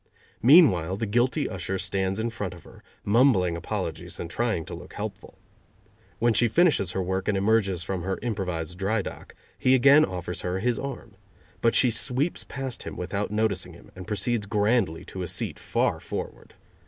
Meanwhile the guilty usher stands in front of her, mumbling apologies and trying to look helpful. When she finishes her work and emerges from her improvised dry dock, he again offers her his arm, but she sweeps past him without noticing him, and proceeds grandly to a seat far forward.